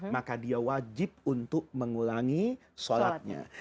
maka dia wajib untuk mengulangi sholatnya